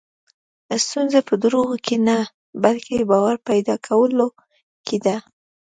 ستونزه په دروغو کې نه، بلکې باور پیدا کولو کې ده.